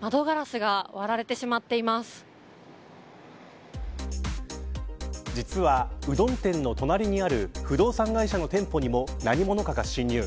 窓ガラスが実は、うどん店の隣にある不動産会社の店舗にも何者かが侵入。